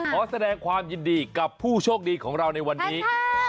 ขอแสดงความยินดีกับผู้โชคดีของเราในวันนี้